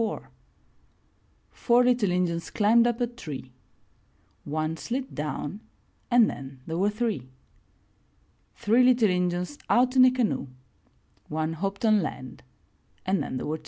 Four little Injuns climbed up a tree — One slid down and then there were three. Three little Injuns out in a canoe — One hopped on land and then there were two.